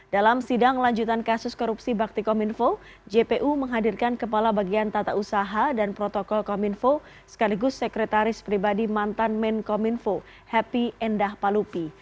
dalam sidang lanjutan kasus korupsi bakti kominfo jpu menghadirkan kepala bagian tata usaha dan protokol kominfo sekaligus sekretaris pribadi mantan menkominfo happy endah palupi